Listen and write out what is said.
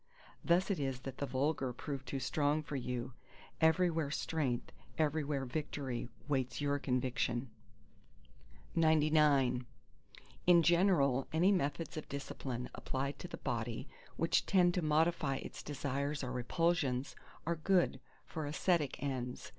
Thus it is that the Vulgar prove too strong for you. Everywhere strength, everywhere victory waits your conviction! C In general, any methods of discipline applied to the body which tend to modify its desires or repulsions, are good—for ascetic ends.